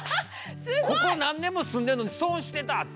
ここ何年も住んでんのに損してたって。